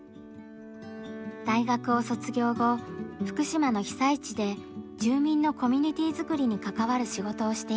大学を卒業後福島の被災地で住民のコミュニティーづくりに関わる仕事をしていました。